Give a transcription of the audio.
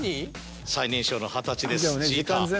最年少の二十歳ですちーたー。